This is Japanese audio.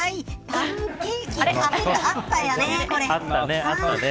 パンケーキ食べたいってあったよね。